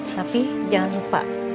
tapi jangan lupa